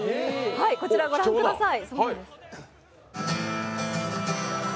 こちらご覧ください。